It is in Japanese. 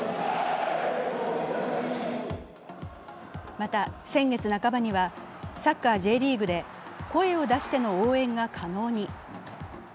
また、先月半ばには、サッカーＪリーグで声を出しての応援が可能に。